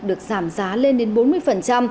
được giảm giá lên đến bốn mươi